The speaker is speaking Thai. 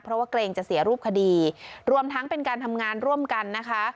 เพราะว่าเกรงจะเสียรูปคดีรวมทั้งเป็นการทำงานร่วมกันนะคะ